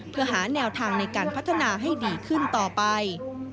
เพื่อหาแนวทางในการพัฒนาให้ดีขึ้นต่อไป